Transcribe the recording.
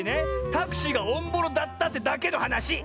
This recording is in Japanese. タクシーがおんぼろだったってだけのはなし！